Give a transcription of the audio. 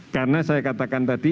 karena saya katakan tadi